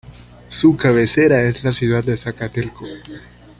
Su cabecera es la ciudad de Zacatelco.